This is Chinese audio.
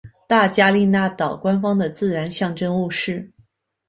大加那利岛官方的自然象征物是。